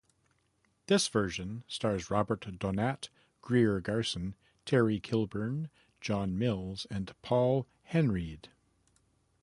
This version stars Robert Donat, Greer Garson, Terry Kilburn, John Mills and Paul Henreid.